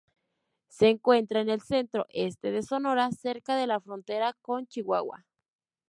Se encuentra en el centro-este de Sonora, cerca de la frontera con Chihuahua.